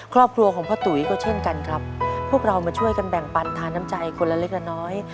ครอบครัวของพ่อตุ๋ยก็เช่นกันครับพวกเรามาช่วยกันแบ่งปันทาน้ำใจคนละเล็กละน้อย